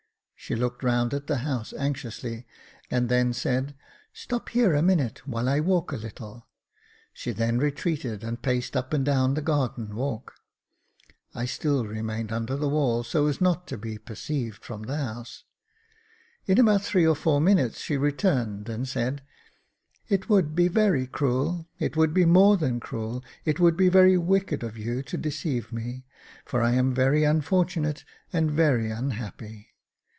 She looked round at the house anxiously, and then said, "Stop here a minute, while I walk a little." She then retreated, and paced up and down the garden walk. I still remained under the wall, so as not to be per ^ Jacob Faithful 305 ceived from the house. In about three or four minutes she returned and said, " It would be very cruel — it would be more than cruel — it would be very wicked of you to deceive me, for I am very unfortunate and very unhappy."